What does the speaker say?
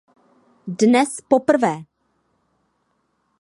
Dnes poprvé.